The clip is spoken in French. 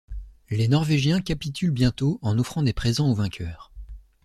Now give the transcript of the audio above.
Les Norvégiens capitulent bientôt en offrant des présents aux vainqueurs.